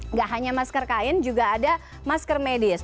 nggak hanya masker kain juga ada masker medis